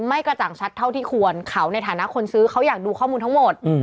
กระจ่างชัดเท่าที่ควรเขาในฐานะคนซื้อเขาอยากดูข้อมูลทั้งหมด